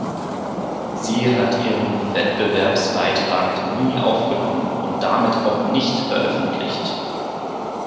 Sie hat ihren Wettbewerbsbeitrag nie aufgenommen und damit auch nicht veröffentlicht.